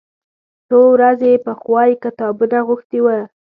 څو ورځې پخوا یې کتابونه غوښتي و.